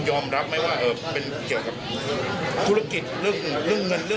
ยอมรับไหมว่าเป็นเกี่ยวกับ